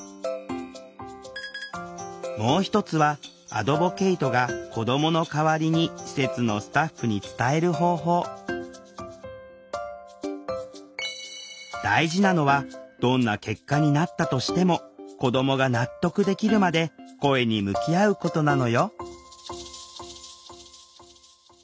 もう一つはアドボケイトが子どもの代わりに施設のスタッフに伝える方法大事なのはどんな結果になったとしても子どもが納得できるまで声に向き合うことなのよ